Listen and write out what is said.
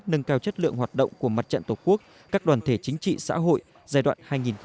nâng cao chất lượng hoạt động của mặt trận tổ quốc các đoàn thể chính trị xã hội giai đoạn hai nghìn một mươi chín hai nghìn hai mươi bốn